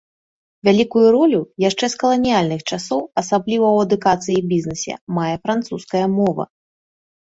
Вялікую ролю яшчэ з каланіяльных часоў, асабліва ў адукацыі і бізнесе, мае французская мова.